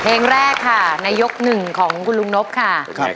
เพลงแรกค่ะในยกหนึ่งของคุณลุงนบค่ะ